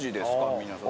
皆さん。